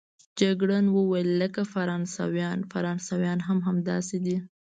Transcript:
جګړن وویل: لکه فرانسویان، فرانسویان هم همداسې دي.